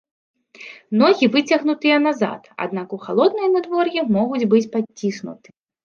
Ногі выцягнутыя назад, аднак у халоднае надвор'е могуць быць падціснуты.